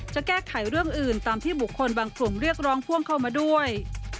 จะแก้ไขเรื่องอื่นตามที่บุคคลบางกลุ่มเรียกร้องพ่วงเข้ามาด้วย